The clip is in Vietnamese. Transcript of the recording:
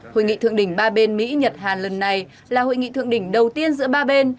hội nghị thượng đỉnh ba bên mỹ nhật hàn lần này là hội nghị thượng đỉnh đầu tiên giữa ba bên